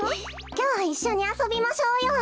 きょういっしょにあそびましょうよ。